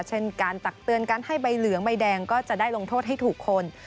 เช่นการตักเตือนการให้ใบเหลืองใบแดงก็จะได้ลงโทษให้ถูกคน